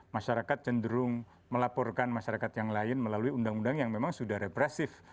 masyarakat cenderung melaporkan masyarakat yang lain melalui undang undang yang memang sudah represif